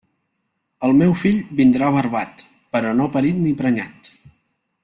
El meu fill vindrà barbat, però no parit ni prenyat.